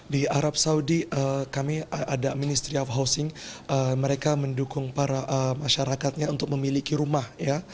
di arab saudi kami ada ministry of housing mereka mendukung para masyarakatnya untuk memiliki rumah ya